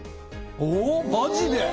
おマジで？